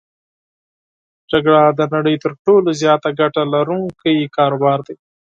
جګړه د نړی تر ټولو زیاته ګټه لرونکی کاروبار دی.